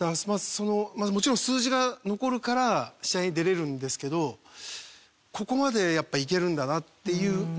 もちろん数字が残るから試合に出られるんですけどここまでやっぱいけるんだなっていう。